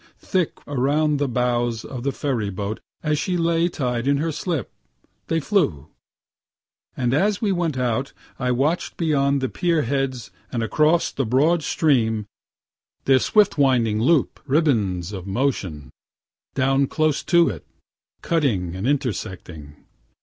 Thick, around the bows of the ferry boat as she lay tied in her slip, they flew; and as we went out I watch'd beyond the pier heads, and across the broad stream, their swift winding loop ribands of motion, down close to it, cutting and intersecting.